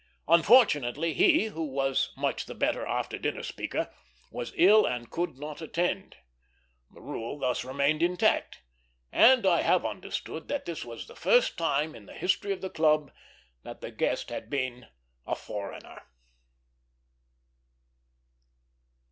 Unfortunately, he, who was much the better after dinner speaker, was ill and could not attend. The rule thus remained intact, and I have understood that this was the first time in the history of the club that the guest had been a foreigner.